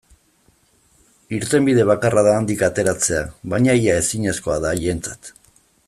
Irtenbide bakarra da handik ateratzea, baina ia ezinezkoa da haientzat.